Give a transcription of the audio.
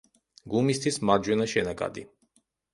გუმისთის მარჯვენა შენაკადი.